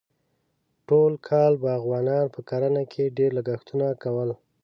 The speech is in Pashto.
ټول کال باغوانانو په کرنه کې ډېر لګښتونه کول.